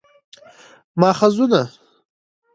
ماخذونه: